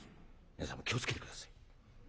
皆さんも気を付けて下さい。